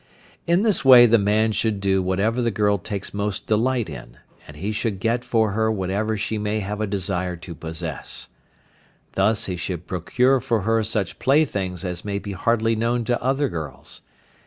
In this way the man should do whatever the girl takes most delight in, and he should get for her whatever she may have a desire to possess. Thus he should procure for her such playthings as may be hardly known to other girls.